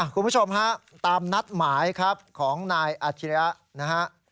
คุณผู้ชมฮะตามนัดหมายครับของนายอาชิริยะนะฮะ